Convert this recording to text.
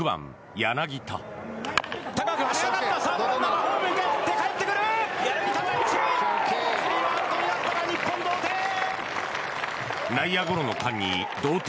柳田、１塁はアウトになったが日本、同点。